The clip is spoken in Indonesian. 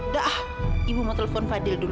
dah ibu mau telepon fadil dulu